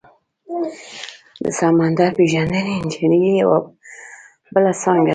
د سمندر پیژندنې انجنیری یوه بله څانګه ده.